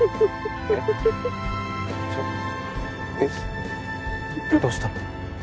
ちょっえっどうしたの？